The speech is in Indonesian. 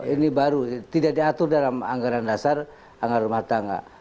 ini baru tidak diatur dalam anggaran dasar anggaran rumah tangga